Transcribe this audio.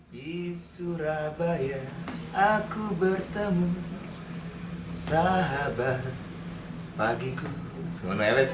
di surabaya aku bertemu sahabat bagiku